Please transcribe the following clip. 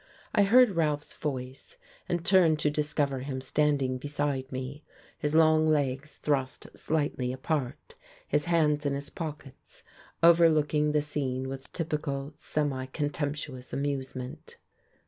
I heard Ralph's voice, and turned to discover him standing beside me, his long legs thrust slightly apart, his hands in his pockets, overlooking the scene with typical, semi contemptuous amusement.